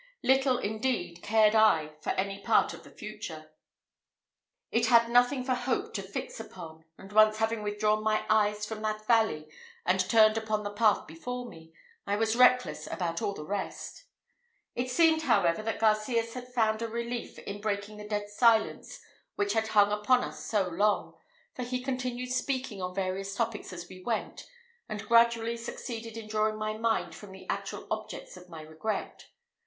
Little, indeed, cared I for any part of the future: it had nothing for hope to fix upon; and once having withdrawn my eyes from that valley, and turned upon the path before me, I was reckless about all the rest. It seemed, however, that Garcias had found a relief in breaking the dead silence which had hung upon us so long, for he continued speaking on various topics as we went, and gradually succeeded in drawing my mind from the actual objects of my regret.